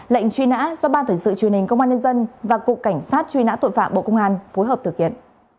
lệnh truy nã do ban thể sự truyền hình công an nhân dân và cục cảnh sát truy nã tội phạm bộ công an phối hợp thực hiện